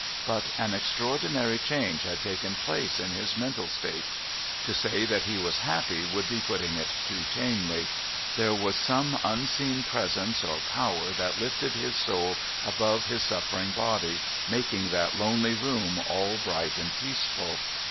But an extraordinary Stranded. 43 change had taken place in liis mental state. To say that he was happy would be putting it too tamely. There was some unseen Presence or Power that lifted his soul above his suffering body, making that lonely room all bright and peaceful.